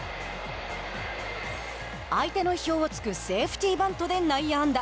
相手の意表をつくセーフティーバントで内野安打。